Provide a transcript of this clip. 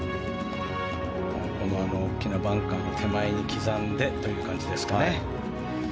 この大きなバンカーの手前に刻んでという感じですね。